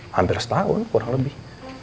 hampir setahun kurang lebih